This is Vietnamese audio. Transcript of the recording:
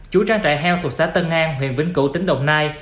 chủ trang trại heo thuộc xã tân an huyện vĩnh cửu tỉnh đồng nai